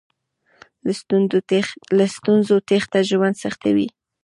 له ستونزو تېښته ژوند سختوي.